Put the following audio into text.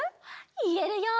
いえるよ！